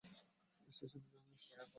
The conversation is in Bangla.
স্টেশনে যা, আমি আসছি।